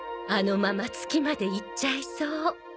あのまま月まで行っちゃいそう。